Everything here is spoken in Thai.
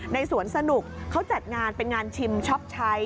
ในสวนสนุกเขาจัดงานเป็นงานชิมช็อปใช้